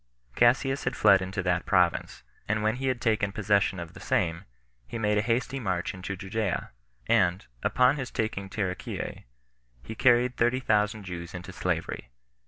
Cassius had fled into that province, and when he had taken possession of the same, he made a hasty march into Judea; and, upon his taking Taricheae, he carried thirty thousand Jews into slavery.